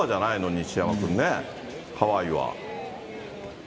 西山君ね、ハワイは。